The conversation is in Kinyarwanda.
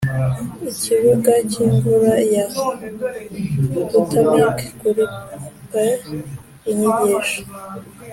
ikibuga cyimvura ya buttermilk kuri pail! inyigisho